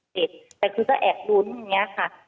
แต่คือจะแอบรู้ทั้งงี้ค่ะ